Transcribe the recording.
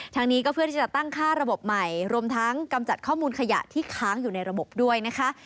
ทางนี้ก็เพื่อที่จะตั้งค่าระบบใหม่รวมทั้งกำจัดข้อมูลขยะที่ค้างอยู่ในระบบด้วยนะคะ